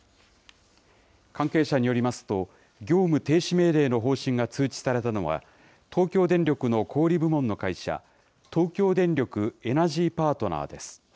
関係者によりますと、業務停止命令の方針が通知されたのは、東京電力の小売り部門の会社、東京電力エナジーパートナーです。